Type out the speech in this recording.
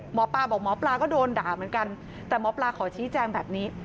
หมอปลาบอกหมอปลาก็โดนด่าเหมือนกันแต่หมอปลาขอชี้แจงแบบนี้